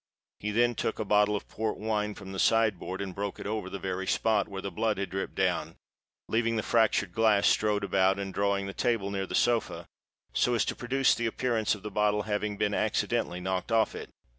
He then took a bottle of Port wine from the side board, and broke it over the very spot where the blood had dripped down, leaving the fractured glass strewed about, and drawing the table near the sofa, so as to produce the appearance of the bottle having been accidentally knocked off it.